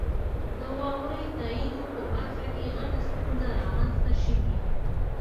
د واورئ تائیدو په برخه کې غټه ستونزه رامنځته شوي.